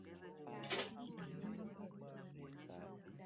kutaimarisha uchumi wa kikanda na ushindani barani huko na kote duniani